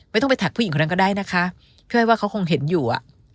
ไม่ต้องไปแท็กผู้หญิงคนนั้นก็ได้นะคะพี่อ้อยว่าเขาคงเห็นอยู่อ่ะ